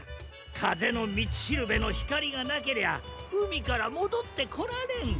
かぜのみちしるべのひかりがなけりゃうみからもどってこられん。